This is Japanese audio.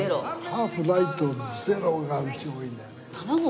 ハーフライトゼロがうち多いんだよね。